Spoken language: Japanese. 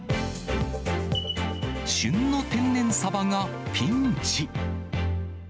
旬の天然サバがピンチ。